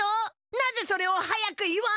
なぜそれを早く言わん！